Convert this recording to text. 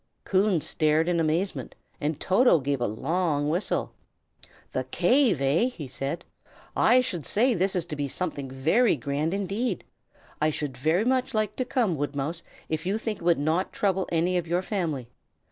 Coon stared in amazement, and Toto gave a long whistle. "The cave, eh?" he said. "I should say this was to be something very grand indeed. I should like very much to come, Woodmouse, if you think it would not trouble any of your family.